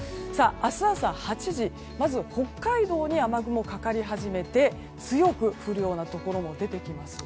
明日朝８時北海道に雨雲がかかり始めて強く降るようなところも出てきます。